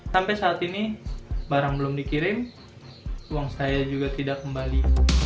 sampai saat ini barang belum dikirim uang saya juga tidak kembali